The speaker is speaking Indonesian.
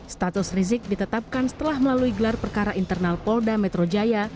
status rizik ditetapkan setelah melalui gelar perkara internal polda metro jaya